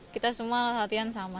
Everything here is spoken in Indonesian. kita semua latihan sama